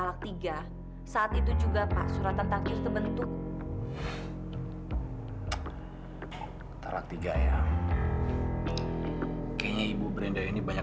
sampai jumpa di video selanjutnya